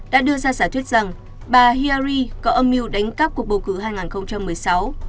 đã đưa ra xả thuyết rằng bà hiar có âm mưu đánh cắp cuộc bầu cử hai nghìn một mươi sáu